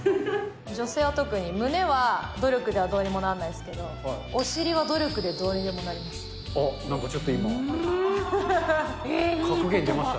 女性は特に、胸は努力ではどうにもならないですけど、お尻は努力でどうにでもなります。